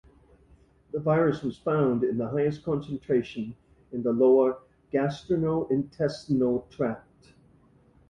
The virus was found in the highest concentrations in the lower gastrointestinal tract.